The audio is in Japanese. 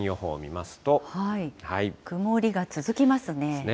曇りが続きますね。